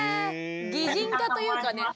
擬人化というかね